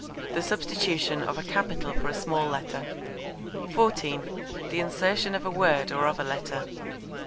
The substitution of a capital for a small letter. 14. The insertion of a word or of a letter.